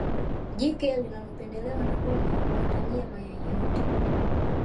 jike linalopendelewa na dume huatamia mayai yote